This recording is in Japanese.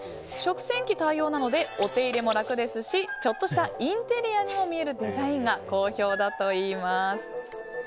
食洗機対応なのでお手入れも楽ですしちょっとしたインテリアにも見えるデザインが好評だといいます。